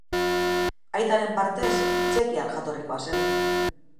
Aitaren partez, txekiar jatorrikoa zen.